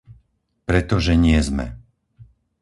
Pretože nie sme!